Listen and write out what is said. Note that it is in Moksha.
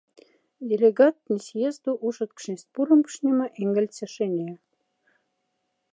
Делегаттне съезду ушеткшнесть пуромкшнема ингольце шиня.